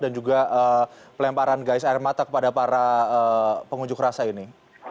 dan juga pelemparan gais air mata kepada para pengunjuk rasa ini